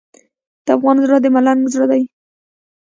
د افغان زړه د ملنګ زړه دی.